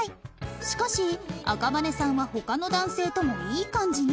しかし赤羽さんは他の男性ともいい感じに